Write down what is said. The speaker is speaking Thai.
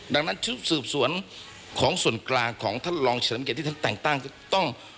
ดังนั้นชุดสืบสวนของส่วนกลางของท่านรองเฉลิมเกียรติที่ท่านแต่งตั้งต้อง